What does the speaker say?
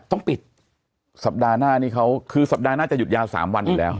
ต้องปิดสัปดาห์หน้านี้เขาคือสัปดาห์หน้าจะหยุดยาว๓วันอีกแล้ว